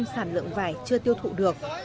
sản lượng vải chưa tiêu thụ được